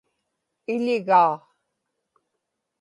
iḷigaa